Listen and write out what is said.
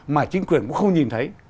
mà chính quyền cũng không nhìn thấy